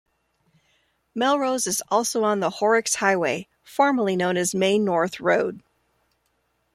Melrose is also on the Horrocks Highway, formerly known as Main North Road.